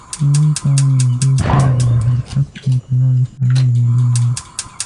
موږ ته نږدې کمپ د حرکت انقلاب اسلامي مجاهدینو وو.